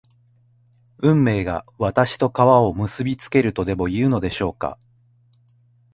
運命が私と川を結びつけるとでもいうのでしょうか